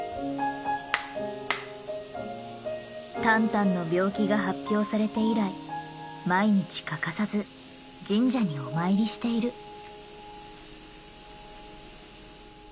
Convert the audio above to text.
タンタンの病気が発表されて以来毎日欠かさず神社にお参りしている。